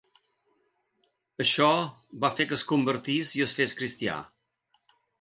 Això va fer que es convertís i es fes cristià.